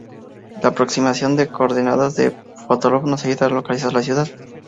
La aproximación de coordenadas de Ptolomeo no ayudan a localizar la ciudad.